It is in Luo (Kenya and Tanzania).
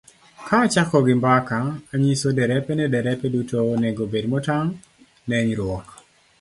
Ka achako gi mbaka, anyiso derepe ni derepe duto onego obed motang ' ne hinyruok.